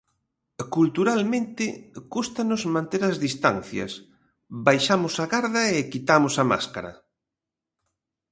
Culturalmente cústanos manter as distancias, baixamos a garda e quitamos a máscara.